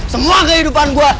semua kehidupan gue